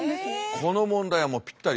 この問題はもうぴったり。